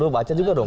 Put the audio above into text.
baca juga dong